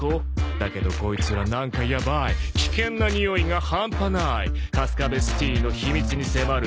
「だけどコイツらなんかやばい」「危険なにおいがハンパない」「カスカベシティの秘密に迫る」